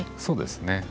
そうですね。